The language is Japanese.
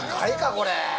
これ。